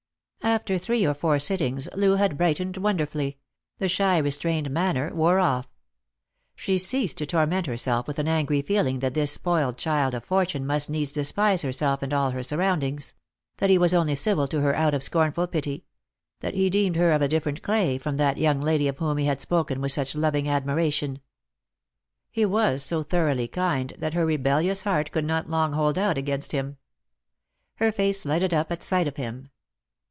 After three or four sittings Loo had brightened wonderfully ; the shy restrained manner wore off. She ceased to torment herself with an angry feeling that this spoiled child of fortune must needs despise herself and all her surroundings ; that he was only civil to her out of a scornful pity ; that he deemed her of a different clay from that young lady of whom he had Bpoken with such loving admiration. He was so thoroughly kind that her rebellious heart could not long hold out against him. Her face lighted up at sight of him.